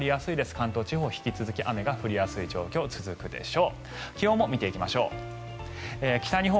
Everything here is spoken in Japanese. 関東地方、引き続き雨が降りやすい状況が続くでしょう。